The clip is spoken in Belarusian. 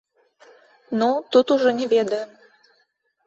Ну, тут ужо не ведаем.